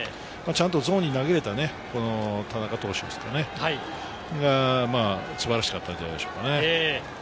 ちゃんとゾーンに投げれた田中投手が素晴らしかったんじゃないでしょうか。